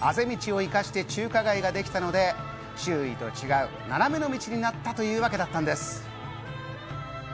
そして、あぜ道生かして中華街ができたので、周囲と違う斜めの道になったというわけなんです。